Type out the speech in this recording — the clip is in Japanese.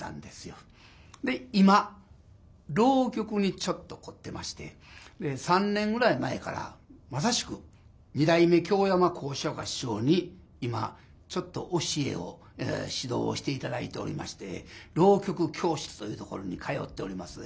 で今浪曲にちょっと凝ってまして３年ぐらい前からまさしく二代目京山幸枝若師匠に今ちょっと教えを指導をして頂いておりまして浪曲教室というところに通っております。